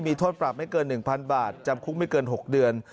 มีโทษปรับไม่เกิน๑๐๐๐บาทจำคุกไม่เกิน๖เดือน